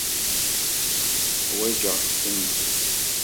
Ḥwaǧeɣ-tent.